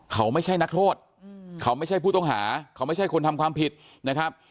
เขาไม่ใช่นักโทษเขาไม่ใช่ผู้ต้องหาเขาไม่ใช่คนทำความผิดนะครับ